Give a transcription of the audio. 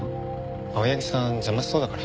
青柳さん邪魔しそうだから。